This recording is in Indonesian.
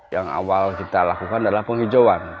yang awal kita lakukan adalah penghijauan